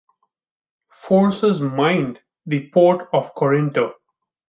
Forces mined the Port of Corinto.